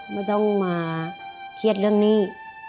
ไม่ต้องมาเครียดเรื่องหนี้